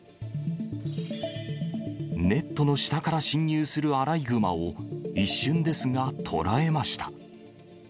ネットの下から侵入するアライグマを、一瞬ですが捉えました。